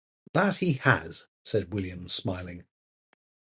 “That he has!” said William, smiling.